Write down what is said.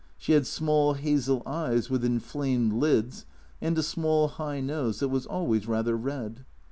She had small hazel eyes with inflamed lids, and a small high nose that was always rather red.